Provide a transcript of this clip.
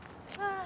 ああ。